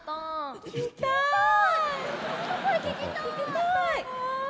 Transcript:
聞きたい！